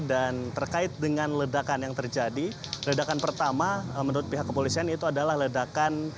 dan terkait dengan ledakan yang terjadi ledakan pertama menurut pihak kepolisian itu adalah ledakan